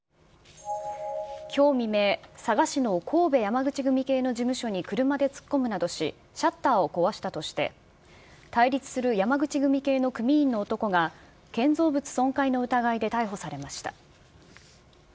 きょう未明、佐賀市の神戸山口組系の事務所に車で突っ込むなどし、シャッターを壊したとして、対立する山口組系の組員の男が、建造物損壊の疑いで逮捕されました。